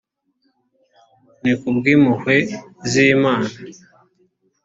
ni ku bw’impuhwe z’imana